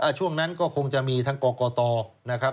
ช่วงนั้นก็คงจะมีทั้งกกตนะครับ